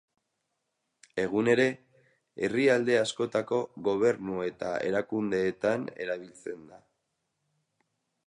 Egun ere herrialde askotako gobernu eta erakundeetan erabiltzen da.